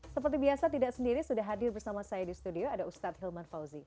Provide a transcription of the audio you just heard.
seperti biasa tidak sendiri sudah hadir bersama saya di studio ada ustadz hilman fauzi